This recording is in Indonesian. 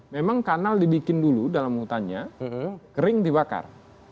memang kanal dibikin dulu dalam hutannya kering dibakar